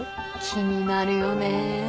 気になるよね。